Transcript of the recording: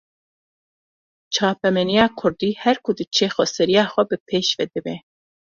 Çapemeniya kurdî, her ku diçe xweseriya xwe bi pêş ve dibe